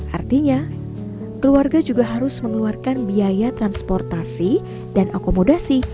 artinya keluarga juga harus mengeluarkan biaya transportasi dan akomodasi